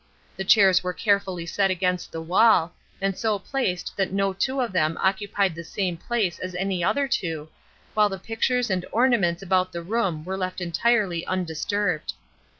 The chairs were carefully set against the wall, and so placed that no two of them occupied the same place as any other two, while the pictures and ornaments about the room were left entirely undisturbed.